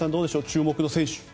注目の選手。